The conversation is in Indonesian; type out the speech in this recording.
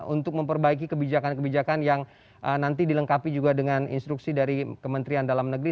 untuk memperbaiki kebijakan kebijakan yang nanti dilengkapi juga dengan instruksi dari kementerian dalam negeri